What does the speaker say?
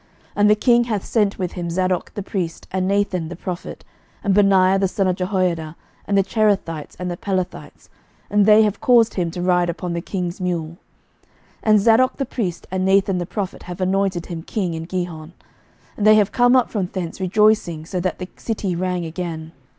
11:001:044 And the king hath sent with him Zadok the priest, and Nathan the prophet, and Benaiah the son of Jehoiada, and the Cherethites, and the Pelethites, and they have caused him to ride upon the king's mule: 11:001:045 And Zadok the priest and Nathan the prophet have anointed him king in Gihon: and they are come up from thence rejoicing, so that the city rang again.